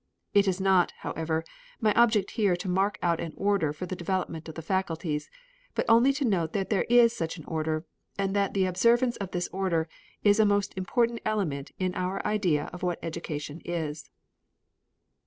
It is not, however, my object here to mark out an order for the development of the faculties, but only to note that there is such an order, and that the observance of this order is a most important element in our idea of what education is.